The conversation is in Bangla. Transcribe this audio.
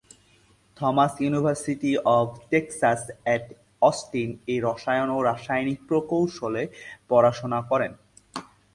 Thomas University of Texas at Austin এ রসায়ন ও রাসায়নিক প্রকৌশলে পড়াশোনা করেন।